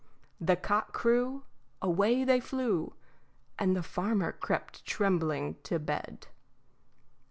"The cock crew, Away they flew." and the farmer crept trembling to bed.